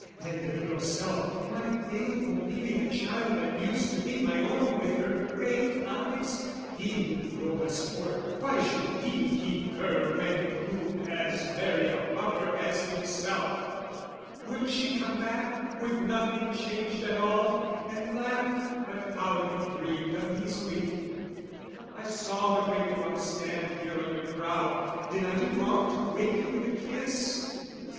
"Then the girl's self, my pale Pompilia child "That used to be my own with her great eyes "He who drove us forth, why should he keep her "When proved as very a pauper as himself? "Will she come back, with nothing changed at all, "And laugh 'But how you dreamed uneasily! "'I saw the great drops stand here on your brow "'Did I do wrong to wake you with a kiss?'